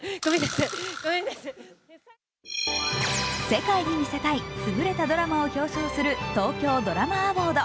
世界に見せたい優れたドラマを表彰する東京ドラマアウォード